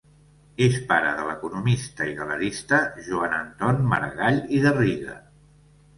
És pare de l'economista i galerista Joan Anton Maragall i Garriga.